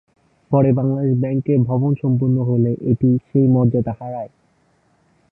পরে বাংলাদেশ ব্যাংক ভবন সম্পন্ন হলে এটি সেই মর্যাদা হারায়।